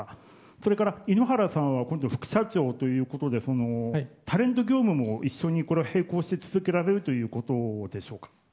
それから井ノ原さんは今度副社長ということでタレント業務も一緒の並行して続けられるということでしょうか。